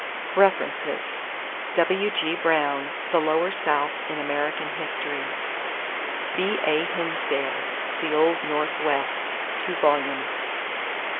=References= W.G. Brown, The Lower South in American History. B.A. Hinsdale, The Old North West (2 vols.).